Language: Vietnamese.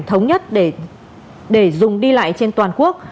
thống nhất để dùng đi lại trên toàn quốc